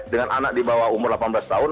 dengan anak di bawah umur delapan belas tahun